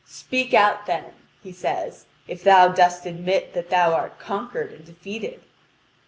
"Speak out then," he says, "if thou dost admit that thou art conquered and defeated."